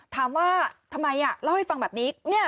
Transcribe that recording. ถามว่าทำไมเล่าให้ฟังแบบนี้